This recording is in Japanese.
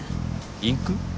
インク？